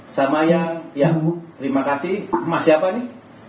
sama yang terima kasih mas siapa nih